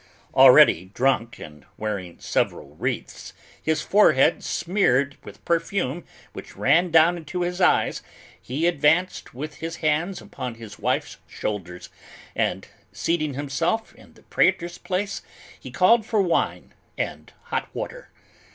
Already drunk and wearing several wreaths, his forehead smeared with perfume which ran down into his eyes, he advanced with his hands upon his wife's shoulders, and, seating himself in the Praetor's place, he called for wine and hot water.